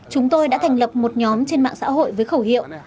chúng tôi đã thành lập một nhóm trên mạng xã hội với khẩu hiệu